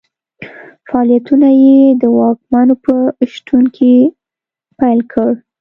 فعالیتونه یې د واکمنو په شتون کې پیل کړل.